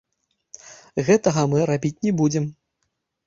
Гэтага мы рабіць не будзем.